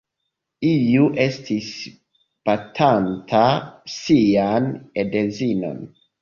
Iu estis batanta sian edzinon.